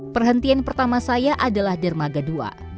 perhentian pertama saya adalah dermaga dua